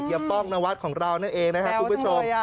ป้องนวัดของเรานั่นเองนะครับคุณผู้ชม